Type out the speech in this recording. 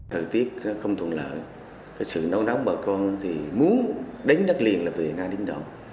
thời tiết không thuận lợi sự nấu nóng bà con muốn đánh đất liền là về ra đỉnh đậu